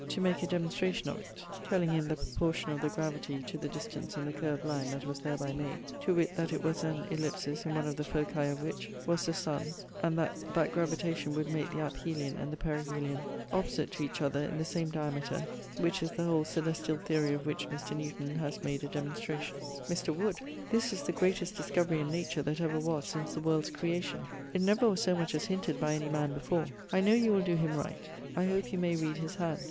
'] [CXXXIII.] To make a demonstration of it, telling him the proportion of the gravity to the distance and the curv'd line that was thereby made, to witt that it was an ellipsis in one of the foci of which was the sun and that that gravitation would make the aphelion and perihelion opposite to each other in the same diameter which is the whole celestiall theorie of which Mr. Newton haz made a demonstration. Mr. Wood! This is the greatest discovery in nature that ever was since the world's creation. It never was so much as hinted by any man before. I know you will doe him right. I hope you may read his hand.